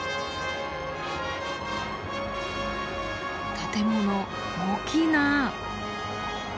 建物大きいなあ。